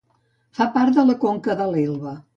Fa part de la conca de l'Elba.